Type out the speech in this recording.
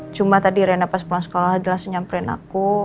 cuma tadi rena pas pulang sekolah jelas senyam perinaku